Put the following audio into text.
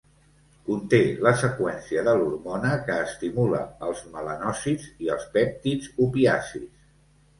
Conté la seqüència de l'hormona que estimula els melanòcits i els pèptids opiacis.